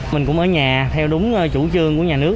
mình cũng ở nhà theo đúng chủ trương của nhà nước